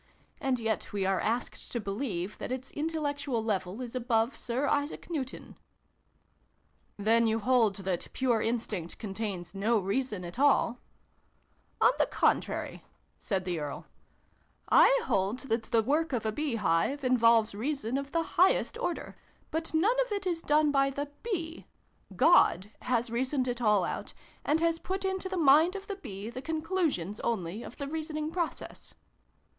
And yet we are asked to believe that its intellectual level is above Sir Isaac Newton !" "Then you hold that pure Instinct contains no Reason at all ?"" On the contrary," said the Earl, " I hold that the work of a bee hive involves Reason of the highest order. But none of it is done by the Bee. God has reasoned it all out, and has put into the mind of the Bee the conclusions, only, of the reasoning process."